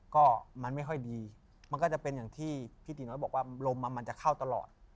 ก็มันไม่ค่อยดีมันก็จะเป็นอย่างที่พี่ติน้อยบอกว่าลมมันจะเข้าตลอด